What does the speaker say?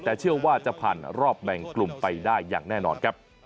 แต่เชื่อว่าจะผ่านรอบแบ่งกลุ่มไปได้อย่างแน่นอนครับ